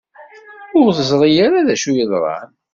Ur teẓri ara d acu ay yeḍran.